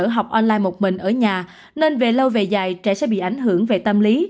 học online một mình ở nhà nên về lâu về dài trẻ sẽ bị ảnh hưởng về tâm lý